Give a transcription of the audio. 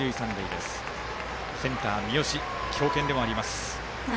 とったセンターの三好は強肩でもあります。